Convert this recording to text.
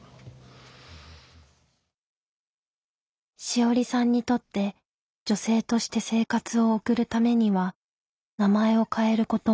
志織さんにとって女性として生活を送るためには名前を変えることは欠かせないことだった。